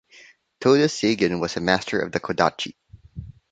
Toda Seigen was a master of the "kodachi".